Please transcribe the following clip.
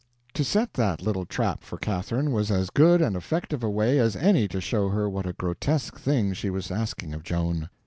To set that little trap for Catherine was as good and effective a way as any to show her what a grotesque thing she was asking of Joan.